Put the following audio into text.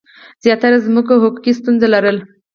زیاتره ځمکو حقوقي ستونزې لرلې.